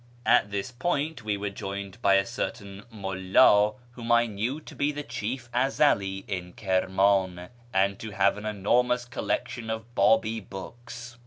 At this point we were joined by a certain Mulla whom I knew to be the chief Ezeli in Kirman, and to have an enormous collection of Babi books.